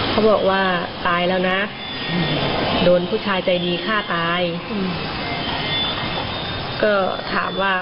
เขาบอกว่าตายแล้วนะโดนผู้ชายใจดีฆ่าตายอืมก็ถามว่า